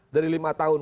dari lima tahun